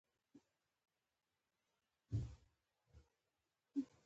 د نجونو تعلیم د پرمختللي هیواد نښه ده.